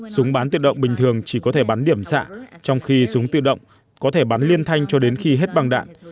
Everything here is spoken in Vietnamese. súng bán tự động bình thường chỉ có thể bắn điểm xạ trong khi súng tự động có thể bắn liên thanh cho đến khi hết bằng đạn